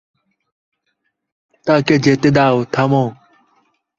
তাকে যেতে দাও থামো!